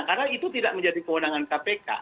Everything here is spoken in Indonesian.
karena itu tidak menjadi keundangan kpk